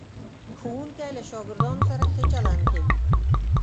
ښوونکی له شاګردانو سره ښه چلند کوي.